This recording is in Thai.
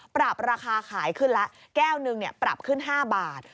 ปรับราคาขายขึ้นละแก้วหนึ่งปรับขึ้น๕บาท